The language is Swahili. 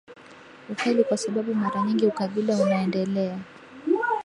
ukali kwa sababu mara nyingi ukabila unaendelea